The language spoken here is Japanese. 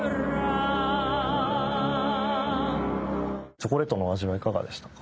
チョコレートの味はいかがでしたか？